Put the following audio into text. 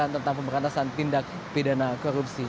tentang pemberantasan tindak pidana korupsi